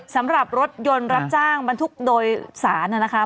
สำหรับรถยนต์รับจ้างบรรทุกโดยสารนะคะ